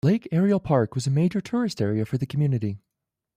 Lake Ariel Park was a major tourist area for the community.